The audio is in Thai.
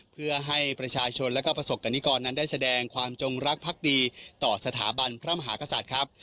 เพื่อให้ประชาชนและก็ประสบกรณิกรนั้นได้แสดงความจงรักภักดีต่อสถาบันพระมหากษัตริย์ครับ